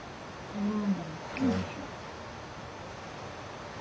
うん。